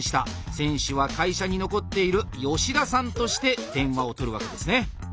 選手は会社に残っている吉田さんとして電話を取るわけですね。